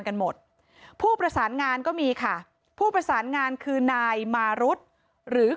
กันหมดผู้ประสานงานก็มีค่ะผู้ประสานงานคือนายมารุธหรือ